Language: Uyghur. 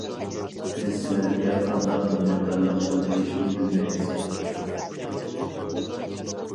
بىز سىلەرگە قانداق مىننەتدارلىق بىلدۈرۈشنى بىلمەيمىز.